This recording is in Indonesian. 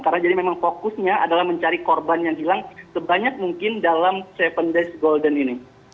karena jadi memang fokusnya adalah mencari korban yang hilang sebanyak mungkin dalam tujuh days golden ini